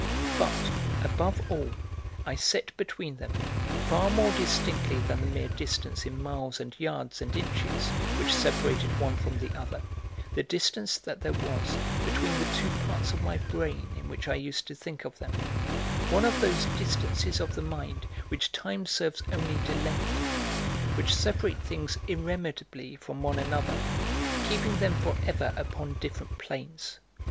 But, above all, I set between them, far more distinctly than the mere distance in miles and yards and inches which separated one from the other, the distance that there was between the two parts of my brain in which I used to think of them, one of those distances of the mind which time serves only to lengthen, which separate things irremediably from one another, keeping them for ever upon different planes.